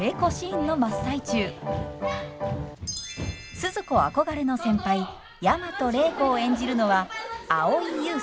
スズ子憧れの先輩大和礼子を演じるのは蒼井優さん。